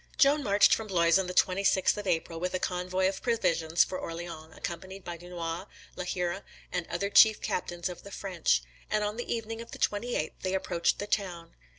Joan marched from Blois on the 26th of April with a convoy of provisions for Orleans, accompanied by Dunois, La Hire, and the other chief captains of the French; and on the evening of the 28th they approached the town.